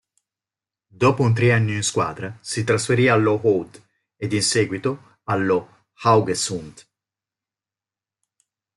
Dopo un triennio in squadra, si trasferì allo Hødd ed in seguito allo Haugesund.